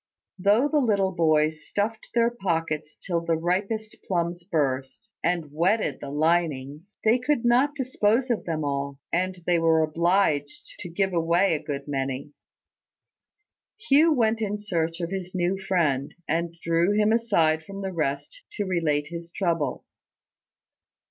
Though the little boys stuffed their pockets till the ripest plums burst, and wetted the linings, they could not dispose of them all; and they were obliged to give away a good many. Hugh went in search of his new friend, and drew him aside from the rest to relate his trouble.